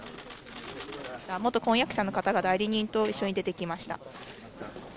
元婚約者の方が、代理人と一緒に出てきました。